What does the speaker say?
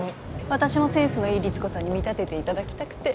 私もセンスのいいリツコさんに見立てていただきたくて。